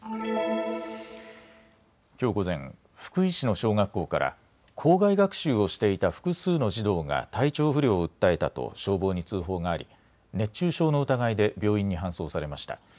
きょう午前、福井市の小学校から校外学習をしていた複数の児童が体調不良を訴えたと消防に通報があり熱中症の疑いで病院に搬送されました。